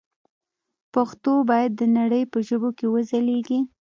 پښتو باید د نړۍ په ژبو کې وځلېږي.